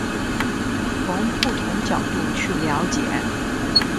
从不同角度去了解